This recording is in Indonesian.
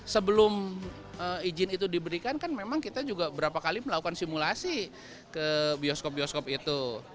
sebelum izin itu diberikan kan memang kita juga berapa kali melakukan simulasi ke bioskop bioskop itu